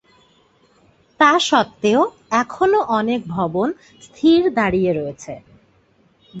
তাস্বত্ত্বেও এখনো অনেক ভবন স্থির দাঁড়িয়ে রয়েছে।